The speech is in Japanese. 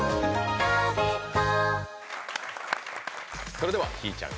それではひぃちゃん